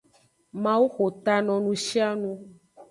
Mawu xo ta no nushianu.